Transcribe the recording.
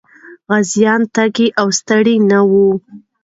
غازيان تږي او ستړي نه وو.